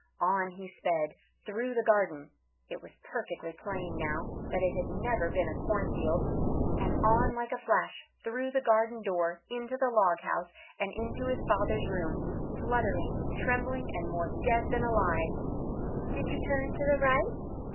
On he sped, through the garden; it was perfectly plain now that it had never been a cornfield, and on like a flash through the garden door into the log house, and into his father's room fluttering, trembling, and more dead than alive. "Did you turn to the right?"